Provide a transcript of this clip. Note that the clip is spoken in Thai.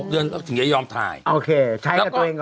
๖เดือนแล้วก็ถึงจะย่อมถ่ายโอเคใช้กับตั๊อยังก่อน